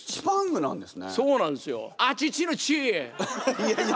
いやいや。